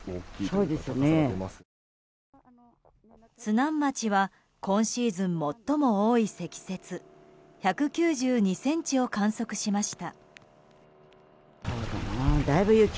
津南町は今シーズン最も多い積雪１９２ｃｍを観測しました。